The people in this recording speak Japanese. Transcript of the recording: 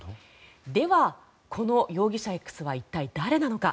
では、この容疑者Ｘは一体誰なのか。